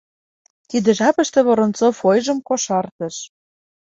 Тиде жапыште Венцов ойжым кошартыш: